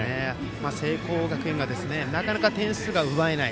聖光学院がなかなか点数が奪えない。